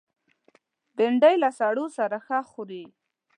بېنډۍ له سړو سره ښه خوري